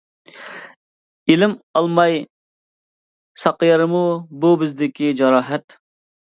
ئىلىم ئالماي ساقىيارمۇ بۇ بىزدىكى جاراھەت.